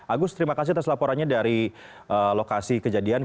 agus terima kasih atas laporannya dari lokasi kejadian